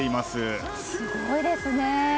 すごいですね。